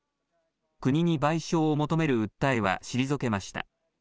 国に賠償を求める訴えは退けました。